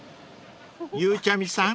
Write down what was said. ［ゆうちゃみさん